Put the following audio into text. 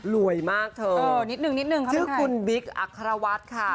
รวยมากเถอะเดี๋ยวนิดนึงเขาเป็นใครชื่อคุณบิ๊กอัครวัสค่ะ